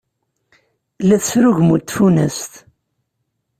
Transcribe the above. La tesrugmut tfunast.